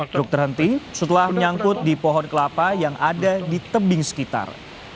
truk terhenti setelah menyangkut di pohon kelapa yang ada di tebing sekitar